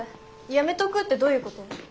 やめとくってどういうこと？